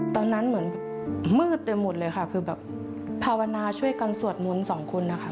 ตอนนั้นเหมือนมืดไปหมดเลยค่ะคือแบบภาวนาช่วยกันสวดมนต์สองคนนะคะ